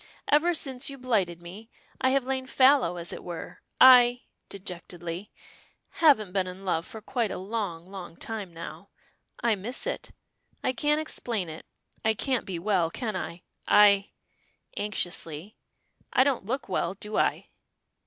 Ever since you blighted me, I have lain fallow, as it were. I," dejectedly, "haven't been in love for quite a long, long time now. I miss it I can't explain it. I can't be well, can I? I," anxiously, "I don't look well, do I?"